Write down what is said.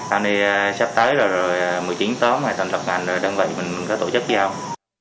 sau này sắp tới rồi một mươi chín tóm thành lập ngành đơn vị mình có tổ chức gì không